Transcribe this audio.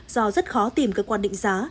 do rất khó tìm cơ quan định giá